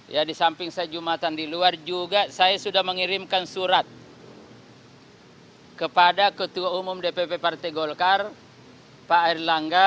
ya di samping saya jumatan di luar juga saya sudah mengirimkan surat kepada ketua umum dpp partai golkar pak erlangga